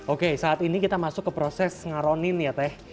oke saat ini kita masuk ke proses ngaronin ya teh